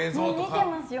見てますよ。